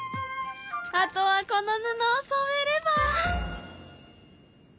あとはこの布をそめれば。